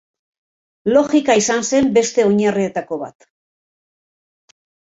Logika izan zen beste oinarrietako bat.